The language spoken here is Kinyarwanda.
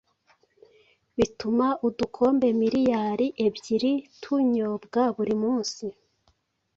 bituma udukombe miliyari ebyiri tunyobwa buri munsi.